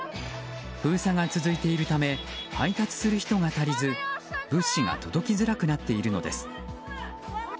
封鎖が続いているため配達する人が足りず物資が届きづらくなっているのです。